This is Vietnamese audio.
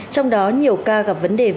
trong đó nhiều ca gặp vấn đề